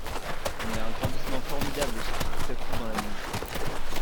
Mais un grandissement formidable se fit tout à coup dans la nuit.